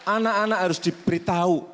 anak anak harus diberitahu